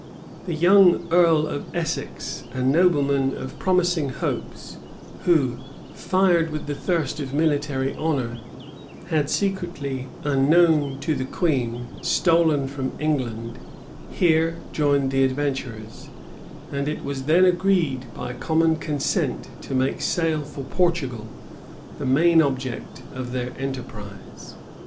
The young earl of Essex, a nobleman of promising hopes, who, fired with the thirst of military honor, had secretly, unknown to the queen, stolen from England, here joined the adventurers; and it was then agreed by common consent to make sail for Portugal, the main object of their enterprise.